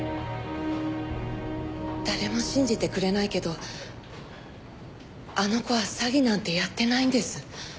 誰も信じてくれないけどあの子は詐欺なんてやってないんです。